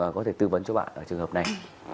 có thể tư vấn cho bạn ở trường hợp này